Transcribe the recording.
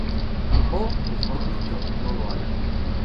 O, mejor dicho, no lo haga.